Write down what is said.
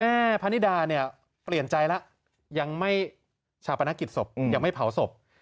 พะนิดาเนี่ยเปลี่ยนใจแล้วยังไม่ชาปนกิจศพยังไม่เผาศพ